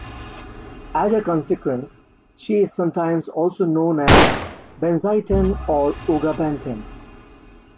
As a consequence, she is sometimes also known as Benzaiten or Uga Benten.